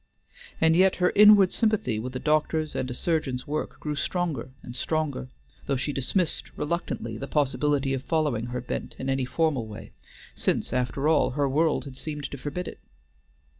And yet her inward sympathy with a doctor's and a surgeon's work grew stronger and stronger, though she dismissed reluctantly the possibility of following her bent in any formal way, since, after all, her world had seemed to forbid it.